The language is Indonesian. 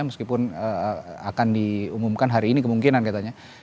meskipun akan diumumkan hari ini kemungkinan katanya